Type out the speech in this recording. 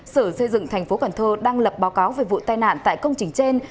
sở xây dựng thành phố cần thơ đang lập báo cáo về vụ tai nạn tại công trình trên